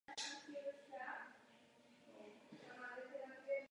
Řádně organizovaná migrace může přinést užitek všem zúčastněným stranám.